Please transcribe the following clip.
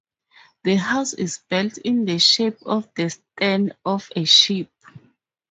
The house is built in the shape of the stern of a ship.